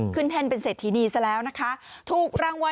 ขึ้นแทนเป็นเสนอทีนี้ซะแล้วนะคะ